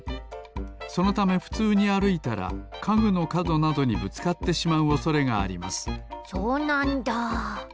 そのためふつうにあるいたらかぐのかどなどにぶつかってしまうおそれがありますそうなんだ。